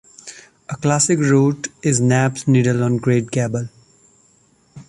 A classic route is Nape's Needle on Great Gable.